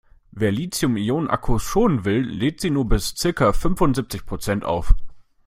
Wer Lithium-Ionen-Akkus schonen will, lädt sie nur bis circa fünfundsiebzig Prozent auf.